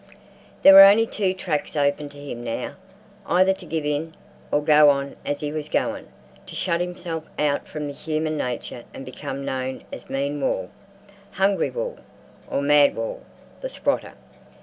There were only two tracks open to him now: either to give in, or go on as he was going—to shut himself out from human nature and become known as "Mean Wall," "Hungry Wall," or "Mad Wall, the Squatter."